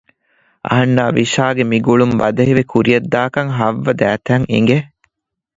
އަހަންނާ ވިޝާގެ މި ގުޅުން ބަދަހިވެ ކުރިޔަށްދާކަން ހައްވަ ދައިތައަށް އެނގެ